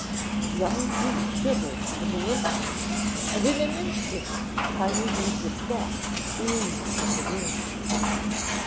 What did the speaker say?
The young tree quivered from the impact and in an instant tiny beads of sap oozed from the wound.